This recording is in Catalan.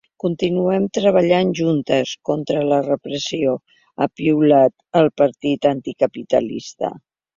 Continuem treballant juntes contra la repressió, ha piulat el partit anticapitalista.